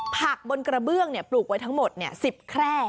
ผักบนกระเบื้องเนี่ยปลูกไว้ทั้งหมดเนี่ย๑๐แคร่